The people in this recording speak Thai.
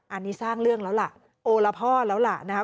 อันนี้สร้างเรื่องแล้วล่ะโอละพ่อแล้วล่ะนะครับ